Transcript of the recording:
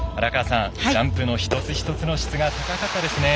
ジャンプの一つ一つの質が高かったですね。